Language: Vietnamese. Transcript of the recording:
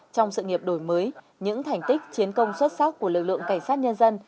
trong sự nghiệp đổi mới những thành tích chiến công xuất sắc của lực lượng cảnh sát nhân dân